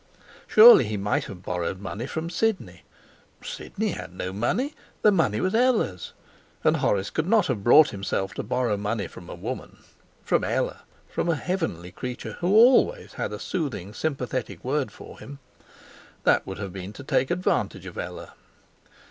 Surely he might have borrowed money from Sidney? Sidney had no money; the money was Ella's, and Horace could not have brought himself to borrow money from a woman from Ella, from a heavenly creature who always had a soothing sympathetic word for him. That would have been to take advantage of Ella.